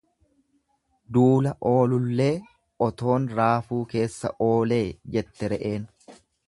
Duula oolullee otoon raafuu keessa oolee jette re'een.